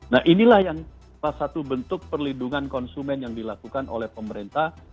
nah inilah yang salah satu bentuk perlindungan konsumen yang dilakukan oleh pemerintah